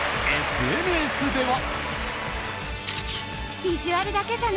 ＳＮＳでは。